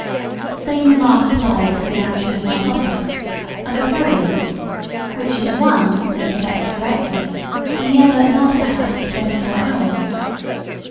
The same remark applies to the action of narcotics, of aperients, which, in the one, take effect directly, in the other not perhaps for twenty four hours.